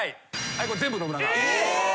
これ全部信長。